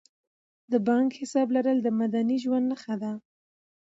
د بانک حساب لرل د مدني ژوند نښه ده.